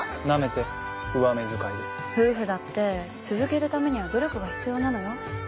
なめて上目遣いで夫婦だって続けるためには努力が必要なのよ